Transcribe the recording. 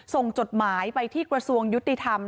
จดหมายไปที่กระทรวงยุติธรรม